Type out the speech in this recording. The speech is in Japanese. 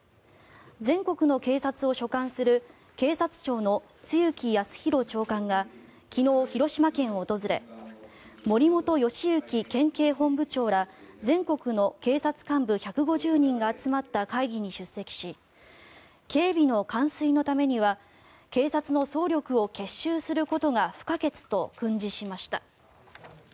全国の警察を所管する警察庁の露木康浩長官が昨日、広島県を訪れ森元良幸県警本部長ら全国の警察幹部１５０人が集まった会議に出席し警備の完遂のためには警察の総力を結集することが不可欠と訓示しました。